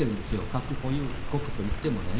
核保有国といってもね。